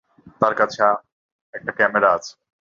তার কাছে একটা ক্যামেরা আছে।